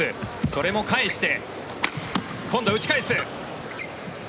それも返して今度は打ち返す。